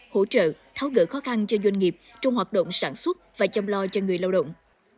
hỗ trợ tháo gỡ khó khăn cho doanh nghiệp trong hoạt động sản xuất và chăm lo cho người lao động